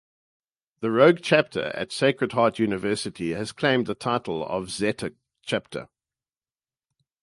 The rogue chapter at Sacred Heart University has claimed the title of Zeta Chapter.